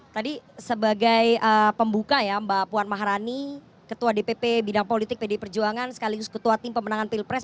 tadi sebagai pembuka ya mbak puan maharani ketua dpp bidang politik pdi perjuangan sekaligus ketua tim pemenangan pilpres